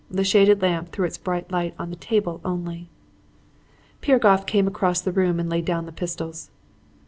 The shaded lamp threw its bright light on the table only. "Piragoff came across the room and laid down the pistols.